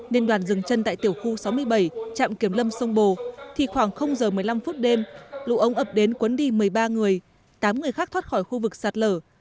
nên đoàn dừng chân tại tiểu khu sáu mươi bảy trạm kiểm lâm sông bồ thì khoảng giờ một mươi năm phút đêm lũ ống ập đến quấn đi một mươi ba người tám người khác thoát khỏi khu vực sạt lở